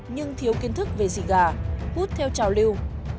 nhưng thiếu kiến thức về siga hút theo trào lưu